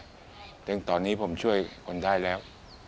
เพราะฉะนั้นตอนนี้ผมช่วยคนได้แล้ว